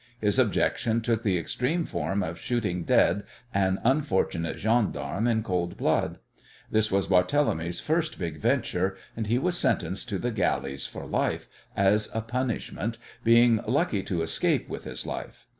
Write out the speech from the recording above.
His objection took the extreme form of shooting dead an unfortunate gendarme in cold blood. This was Barthélemy's first big venture, and he was sentenced to the galleys for life as a punishment, being lucky to escape with his life.